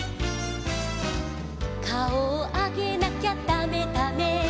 「かおをあげなきゃだめだめ」